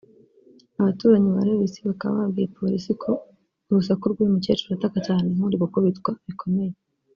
Abaturanyi ba Lewis bakaba babwiye polisi ko urusaku rw’uyu mukecuru ataka cyane nk’uri gukubitwa bikomeye